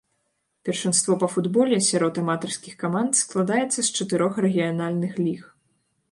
Першынство па футболе сярод аматарскіх каманд складаецца з чатырох рэгіянальных ліг.